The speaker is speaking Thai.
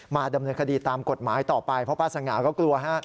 ดำเนินคดีตามกฎหมายต่อไปเพราะป้าสง่าก็กลัวฮะ